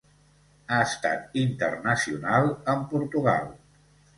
Ha estat internacional amb Portugal.